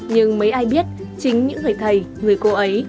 nhưng mấy ai biết chính những người thầy người cô ấy